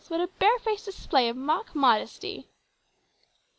what a barefaced display of mock modesty!"